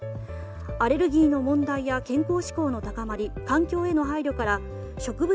アレルギーの問題や健康志向の高まり環境への配慮から植物